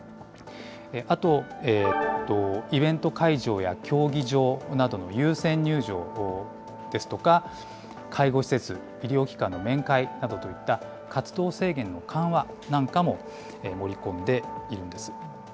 あと、イベント会場や競技場などの優先入場ですとか、介護施設、医療機関の面会などといった、活動制限の緩和なんかも盛り込んでいるんです。